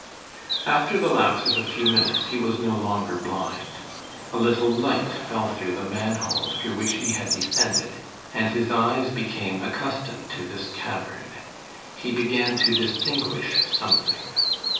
After the lapse of a few minutes, he was no longer blind. A little light fell through the man hole through which he had descended, and his eyes became accustomed to this cavern. He began to distinguish something.